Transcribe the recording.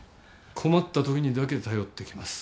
困ったときにだけ頼ってきます。